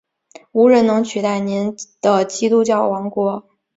无人能取代您的基督教王国！